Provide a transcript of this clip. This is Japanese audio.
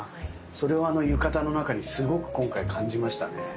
それをあの浴衣の中にすごく今回感じましたね。